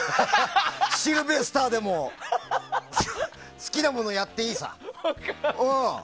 シルベスターでも好きなものやっていいさ。